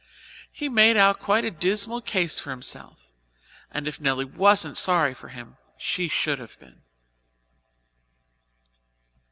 He made out quite a dismal case for himself and if Nelly wasn't sorry for him, she should have been.